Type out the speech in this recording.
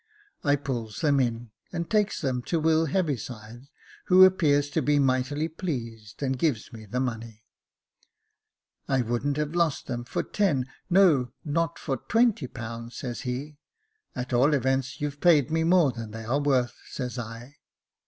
I pulls them in, and takes them to Will Heaviside, who appears to be mightily pleased, and gives me the money. ' I wouldn't have lost them for ten, no, not for twenty pounds,' says he. * At all events you've paid me more than they are worth,' says I.